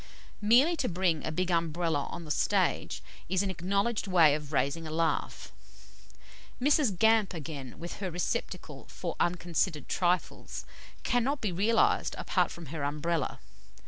Merely to bring a big Umbrella on the stage is an acknowledged way of raising a laugh. Mrs. Gamp again, with her receptacle for unconsidered trifles, cannot be realised apart from her Umbrella.